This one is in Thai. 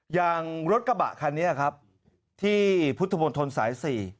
อย่างรถกระบะคันนี้ครับที่พุทธมนตรสาย๔